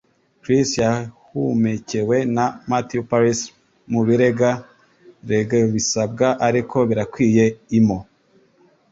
Chris yahumekewe na Matthew Parris mubireba (reg bisabwa ariko birakwiye, IMO).